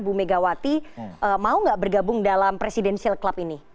bu megawati mau gak bergabung dalam presidensial club ini